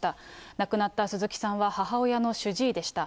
亡くなった鈴木さんは、母親の主治医でした。